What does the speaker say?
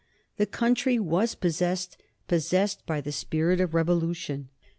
The country was possessed, possessed by the spirit of revolution.